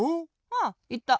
ああいった。